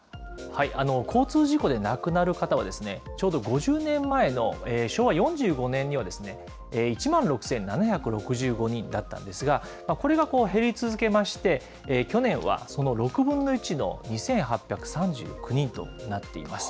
交通事故で亡くなる方は、ちょうど５０年前の昭和４５年には、１万６７６５人だったんですが、これが減り続けまして、去年はその６分の１の２８３９人となっています。